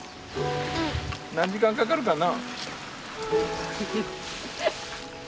何時間かかるかな？